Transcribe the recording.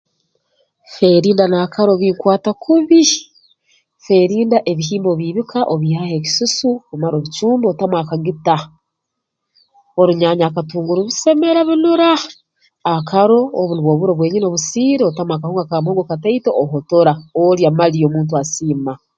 Feerinda n'akaro binkwata kubi feerinda ebihimba obiibika obiihaho ekisusu omara obicumba otamu akagita orunyaanya akatunguru bisemera binura akaro obu nubwo oburo bwenyini obusiire otamu akahunga ka muhogo kataito ohotora olya mali omuntu asiima